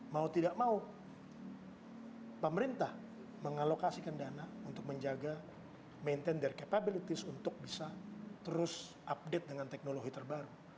mau tidak mau pemerintah mengalokasikan dana untuk menjaga maintainer capabilities untuk bisa terus update dengan teknologi terbaru